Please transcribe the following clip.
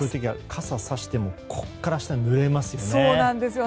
傘をさしても腰から下はぬれますよね。